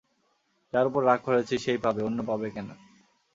যার উপর রাগ করেছি, সে-ই পাবে, অন্যে পাবে কেন?